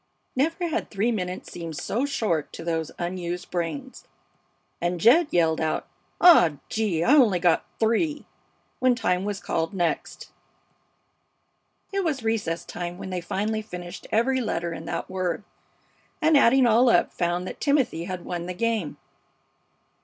Never had three minutes seemed so short to those unused brains, and Jed yelled out: "Aw, gee! I only got three!" when time was called next. It was recess time when they finally finished every letter in that word, and, adding all up, found that Timothy had won the game.